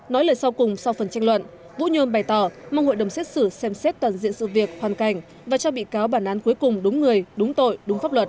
nói lời sau cùng sau phần tranh luận vũ nhơn bày tỏ mong hội đồng xét xử xem xét toàn diện sự việc hoàn cảnh và cho bị cáo bản án cuối cùng đúng người đúng tội đúng pháp luật